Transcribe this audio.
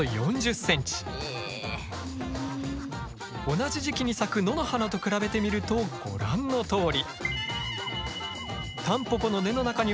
同じ時期に咲く野の花と比べてみるとご覧のとおり！